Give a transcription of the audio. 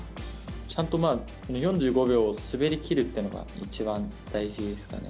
ちゃんと４５秒滑りきるってのが一番大事ですかね。